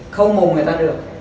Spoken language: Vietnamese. khâu mồm người ta được